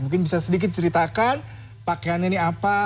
mungkin bisa sedikit ceritakan pakaiannya ini apa